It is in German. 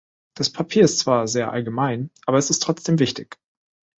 Das Papier ist zwar sehr allgemein, aber es ist trotzdem wichtig.